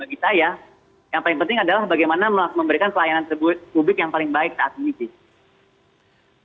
bagi saya yang paling penting adalah bagaimana memberikan pelayanan publik yang paling baik saat ini sih